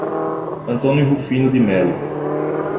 Antônio Rufino de Melo